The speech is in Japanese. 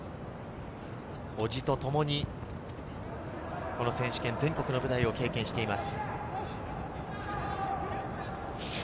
おじとともに、この選手権、全国の舞台を経験しています。